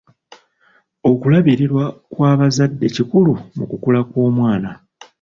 Okulabirirwa kw'abazadde kikulu mu kukula kw'omwana.